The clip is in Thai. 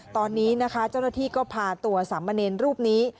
ตอนนี้นะคะเจ้าหน้าที่ก็พาตัวสามเณรรูปนี้